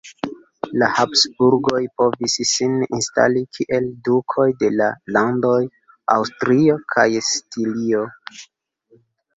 La Habsburgoj povis sin instali kiel dukoj de la landoj Aŭstrio kaj Stirio.